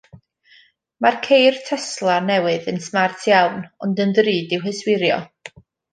Mae'r ceir Tesla newydd yn smart iawn ond yn ddrud i'w hyswirio.